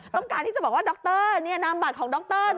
ต้องการที่จะบอกว่าดรนามบัตรของดร